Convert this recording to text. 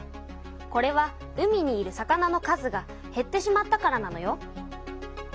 これは海にいる魚の数がへってしまったからなのよ。